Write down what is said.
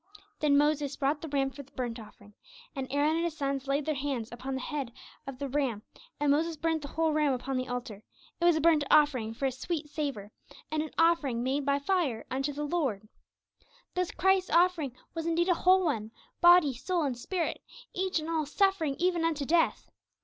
Then Moses 'brought the ram for the burnt offering; and Aaron and his sons laid their hands upon the head of the ram, and Moses burnt the whole ram upon the altar; it was a burnt offering for a sweet savour, and an offering made by fire unto the Lord.' Thus Christ's offering was indeed a whole one, body, soul, and spirit, each and all suffering even unto death.